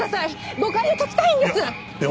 誤解を解きたいんです！